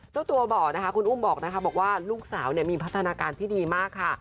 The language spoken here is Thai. เจ้าตัวบอกนะคะคุณอุ้มบอกนะคะบอกว่าลูกสาวมีพัฒนาการที่ดีมากค่ะ